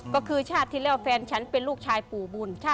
ก็คือชาติที่แล้วแฟนฉันเป็นลูกชายปู่บุญ